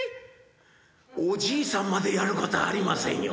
「おじいさんまでやることありませんよ」。